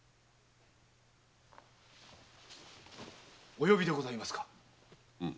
お呼びでございますか？